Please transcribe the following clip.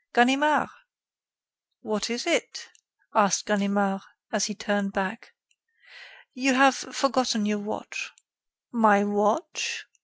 "Ganimard!" "What is it?" asked Ganimard, as he turned back. "You have forgotten your watch." "My watch?"